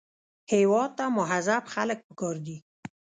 هېواد ته مهذب خلک پکار دي